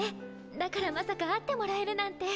だからまさか会ってもらえるなんて。